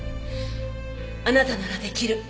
あなたなら出来る。